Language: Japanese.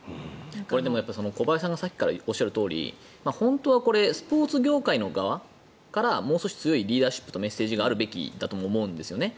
小林さんがさっきからおっしゃるとおり本当はこれスポーツ業界の側からもう少し強いリーダーシップとメッセージがあるべきだと思うんですよね。